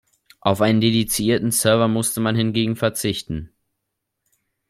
Auf einen dedizierten Server musste man hingegen verzichten.